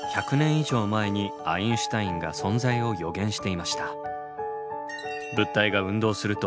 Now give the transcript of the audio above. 以上前にアインシュタインが存在を予言していました。